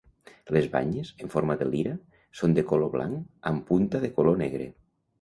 Les banyes, en forma de lira, són de color blanc amb punta de color negre.